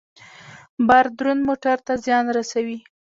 بار دروند موټر ته زیان رسوي.